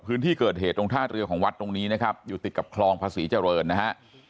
พื้นที่เกิดเหตุตรงท่าเรือของวัดตรงนี้นะครับอยู่ติดกับคลองภาษีเจริญนะฮะ